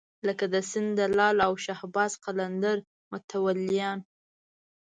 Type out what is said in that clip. لکه د سیند د لعل او شهباز قلندر متولیان.